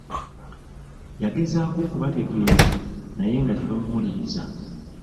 Yagezaako okubategeeza naye nga tebamuwuliriza.